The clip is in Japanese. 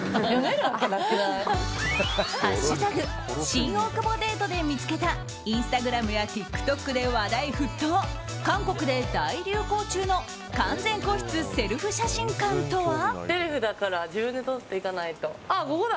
新大久保デート」で見つけたインスタグラムやＴｉｋＴｏｋで話題沸騰韓国で大流行中の完全個室セルフ写真館とは？